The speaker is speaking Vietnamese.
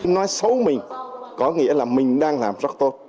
nói xấu mình có nghĩa là mình đang làm rất tốt